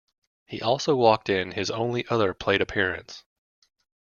He also walked in his only other plate appearance.